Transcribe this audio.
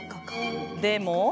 でも。